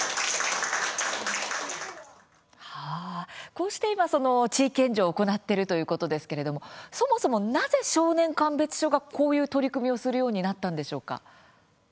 こうして今地域援助を行っているということですけれどもそもそも、なぜ少年鑑別所がこういう取り組みをするようになったんでしょうか。